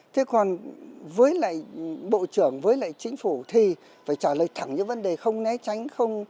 thế còn với lại bộ trưởng với lại chính phủ thì phải trả lời thẳng những vấn đề không né tránh không